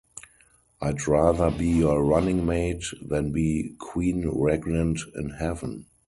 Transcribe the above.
I'd rather be your running mate than be queen regnant in heaven.